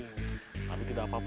kamu naik berarti disangkab maling